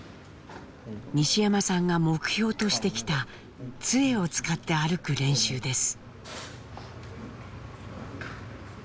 西山さんが目標としてきたつえを使って歩く練習です。